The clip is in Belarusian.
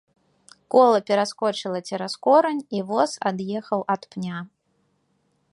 Кола пераскочыла цераз корань, і воз ад'ехаў ад пня.